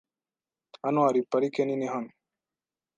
Hano hari parike nini hano.